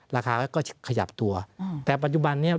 ราคาก็ขยับตัวแต่ปัจจุบันนี้